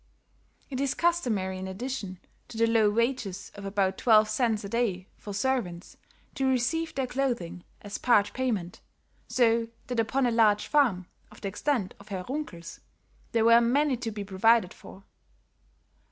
It is customary in addition to the low wages of about twelve cents a day for servants to receive their clothing, as part payment, so that upon a large farm, of the extent of Herr Runkel's, there were many to be provided for.